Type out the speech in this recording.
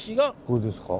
これですか。